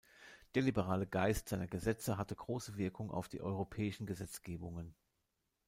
Der liberale Geist seiner Gesetze hatte große Wirkung auf die europäischen Gesetzgebungen.